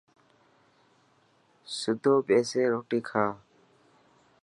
سڌو ٻيسي روٽي کا.